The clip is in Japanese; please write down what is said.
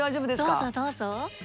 どうぞどうぞ。